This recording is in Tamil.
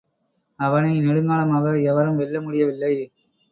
அவனை நெடுங்காலமாக எவரும் வெல்ல முடியவில்லை.